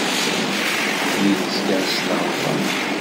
Yid-s kan ssneɣ lferḥ.